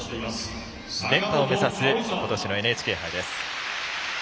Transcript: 連覇を目指すことしのＮＨＫ杯です。